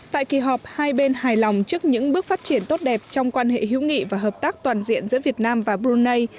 tại kỳ họp hai bên hài lòng trước những bước phát triển tốt đẹp trong quan hệ hữu nghị và hợp tác toàn diện giữa việt nam và brunei